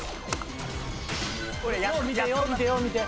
よう見てよう見てよう見て。